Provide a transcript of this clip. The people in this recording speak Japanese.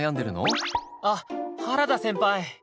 あっ原田先輩。